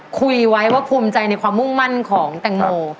คุยไว้ว่าภูมิใจในความมุ่งมั่นของแตงโม